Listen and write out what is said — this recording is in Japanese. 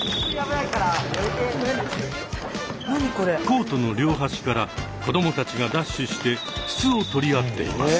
コートの両端から子どもたちがダッシュして筒を取り合っています。